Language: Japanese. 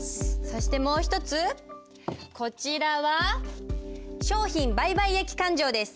そしてもう一つこちらは商品売買益勘定です。